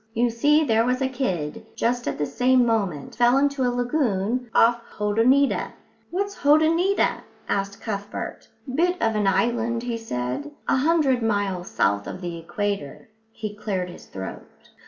You see, there was a kid, just at the same moment, fell into a lagoon off Hotoneeta." "What's Hotoneeta?" asked Cuthbert. "Bit of an island," he said, "a hundred miles south of the equator." He cleared his throat.